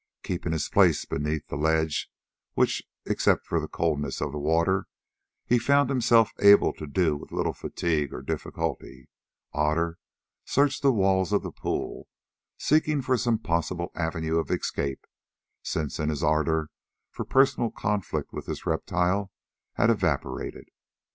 Keeping his place beneath the ledge, which, except for the coldness of the water, he found himself able to do with little fatigue or difficulty, Otter searched the walls of the pool, seeking for some possible avenue of escape, since his ardour for personal conflict with this reptile had evaporated.